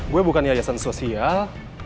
gue bukan yayasan sosial